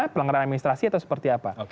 pelanggaran administrasi atau seperti apa